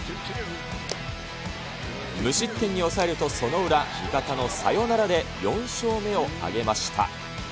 無失点に抑えると、その裏、味方のサヨナラで４勝目を挙げました。